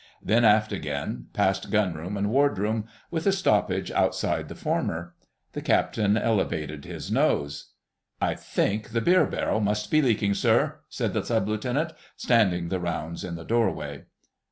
Then aft again, past Gunroom and Wardroom—with a stoppage outside the former. The Captain elevated his nose. "I think the beer barrel must be leaking, sir," said the Sub Lieutenant, "standing the rounds" in the doorway.